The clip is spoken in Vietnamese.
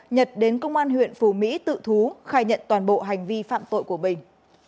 nhật đến công an huyện phù mỹ tự thú khai nhận toàn bộ hành vi phạm tội của bình